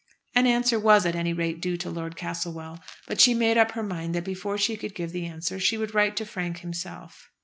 An answer was at any rate due to Lord Castlewell. But she made up her mind that before she could give the answer, she would write to Frank himself.